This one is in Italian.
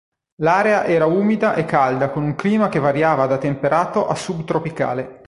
L'area era umida e calda con un clima che variava da temperato a subtropicale.